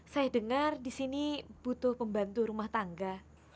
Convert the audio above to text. saya dengar di sini butuh pembantu rumah tangga